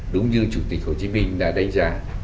đúng như chủ tịch hồ chí minh đã đánh giá